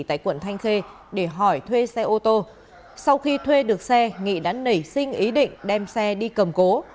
tại quận thanh khê để hỏi thuê xe ô tô sau khi thuê được xe nghị đã nảy sinh ý định đem xe đi cầm cố